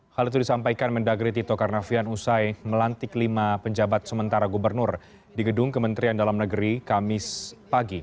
hal itu disampaikan mendagri tito karnavian usai melantik lima penjabat sementara gubernur di gedung kementerian dalam negeri kamis pagi